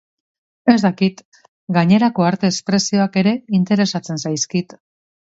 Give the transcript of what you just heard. Ez dakit, gainerako arte espresioak ere interesatzen zaizkit.